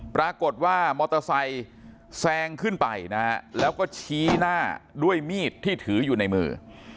ปรากฏว่ามอเตอร์ไซค์แซงขึ้นไปนะฮะแล้วก็ชี้หน้าด้วยมีดที่ถืออยู่ในมือ